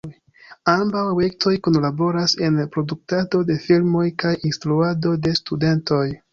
Ambaŭ objektoj kunlaboras en produktado de filmoj kaj instruado de studentoj.